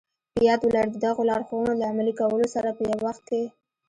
په ياد ولرئ د دغو لارښوونو له عملي کولو سره په يوه وخت کې.